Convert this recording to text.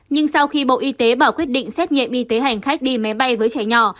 nhưng sau khi bộ y tế bỏ quyết định xét nghiệm y tế hành khách đi máy bay với trẻ nhỏ